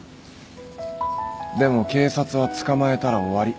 でも警察は捕まえたら終わり。